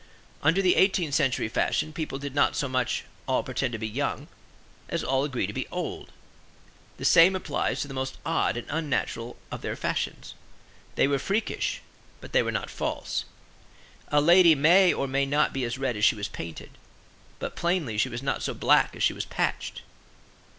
Under the eighteenth century fashion people did not so much all pretend to be young, as all agree to be old. The same applies to the most odd and unnatural of their fashions; they were freakish, but they were not false. A lady may or may not be as red as she is painted, but plainly she was not so black as she was patched.